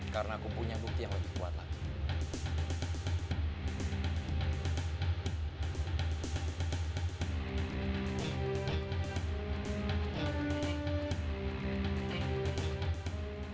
karena aku punya bukti yang lebih kuat lagi